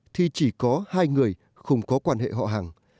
thì chỉ có hai người không có quan hệ họ hàng